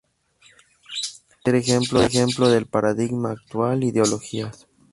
Tercer ejemplo del paradigma actual:ideologías.